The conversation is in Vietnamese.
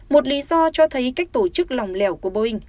một lý do cho thấy cách tổ chức lòng lẻo của boeing